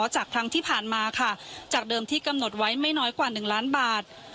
จากครั้งที่ผ่านมาค่ะจากเดิมที่กำหนดไว้ไม่น้อยกว่า๑ล้านบาท